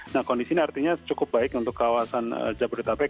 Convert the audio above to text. nah kondisi ini artinya cukup baik untuk kawasan jabodetabek